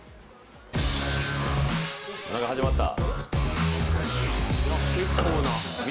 なんか始まった。